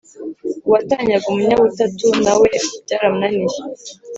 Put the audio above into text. Uwatanyaga umunyabutatu nawe byaramunaniye